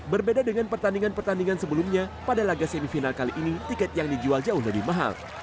berbeda dengan pertandingan pertandingan sebelumnya pada laga semifinal kali ini tiket yang dijual jauh lebih mahal